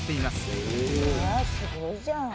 へえすごいじゃん。